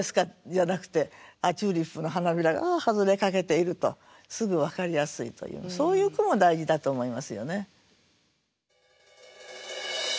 じゃなくてチューリップの花びらが外れかけているとすぐ分かりやすいというそういう句も大事だと思いますよね。